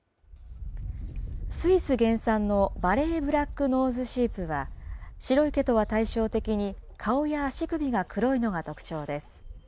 スイス原産のヴァレーブラックノーズシープは、白い毛とは対照的に、顔や足首が黒いのが特徴です。